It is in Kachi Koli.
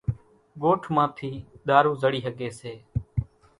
ڳوٺ مان ٿِي ۮارُو زڙِي ۿڳيَ سي۔